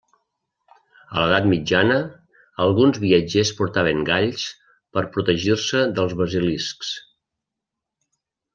A l'edat mitjana, alguns viatgers portaven galls per protegir-se dels basiliscs.